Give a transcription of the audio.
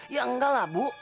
ya enggak lah bu